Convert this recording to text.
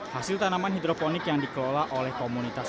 hasil tanaman hidroponik yang dikelola oleh komunitas